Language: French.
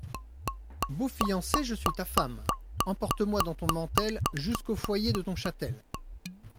Beau fiancé, je suis ta femme ; Emporte-moi dans ton mantel Jusqu'au foyer de ton chatel.